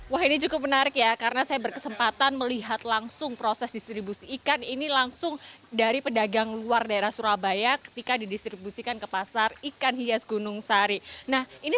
wah ini cukup menarik ya karena saya berkesempatan melihat langsung proses distribusi ikan ini langsung dari pedagang luar daerah surabaya ketika didistribusikan ke pasar ikan hias gunung sari